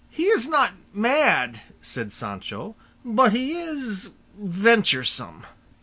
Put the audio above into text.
"He is not mad," said Sancho, "but he is venturesome."